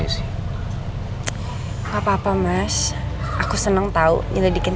silakan keluar dari sini